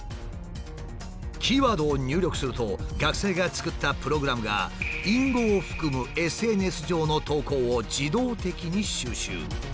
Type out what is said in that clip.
キーワードを入力すると学生が作ったプログラムが隠語を含むＳＮＳ上の投稿を自動的に収集。